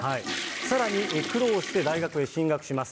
さらに、苦労して大学へ進学します。